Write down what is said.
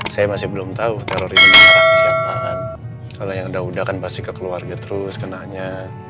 saya masih belum tahu teror ini orang siapaan kalau yang udah udah kan pasti ke keluarga terus kenanya